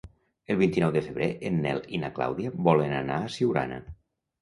El vint-i-nou de febrer en Nel i na Clàudia volen anar a Siurana.